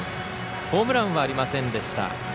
ホームランはありませんでした。